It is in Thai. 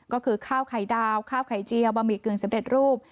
ก็คือข้าวไข่ดาวข้าวไข่เจียวบะหมี่กึ่งสำเร็จรูป